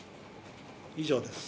以上です。